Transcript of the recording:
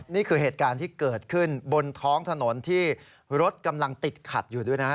นี่คือเหตุการณ์ที่เกิดขึ้นบนท้องถนนที่รถกำลังติดขัดอยู่ด้วยนะฮะ